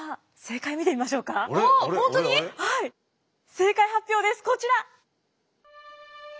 正解発表ですこちら！